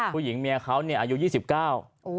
ผู้หญิงเมียเขาเนี่ยอายุยี่สิบเก้า